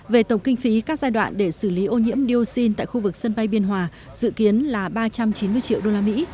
về tổng kinh phí các giai đoạn để xử lý ô nhiễm dioxin tại khu vực sân bay biên hòa dự kiến là ba trăm chín mươi triệu đô la mỹ